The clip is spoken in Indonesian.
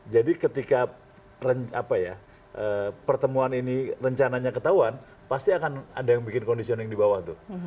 jadi ketika pertemuan ini rencananya ketahuan pasti akan ada yang bikin conditioning di bawah tuh